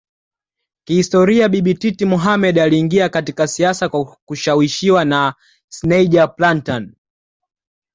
Kihistoria Bibi Titi Mohammed aliingia katika siasa kwa kushawishiwa na Schneider Plantan